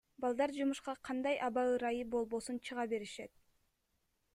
Балдар жумушка кандай аба ырайы болбосун чыга беришет.